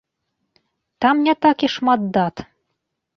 Там не так і шмат дат.